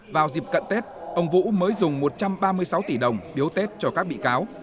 vào dịp cận tết ông vũ mới dùng một trăm ba mươi sáu tỷ đồng biếu tết cho các bị cáo